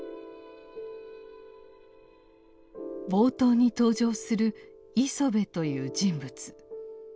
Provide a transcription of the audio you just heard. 冒頭に登場する「磯辺」という人物。